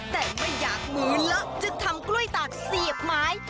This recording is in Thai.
แต่ไม่อยากมือเลอะจึงทำกล้วยตากเสียบไม้